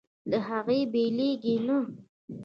له هغې بېلېږي نه.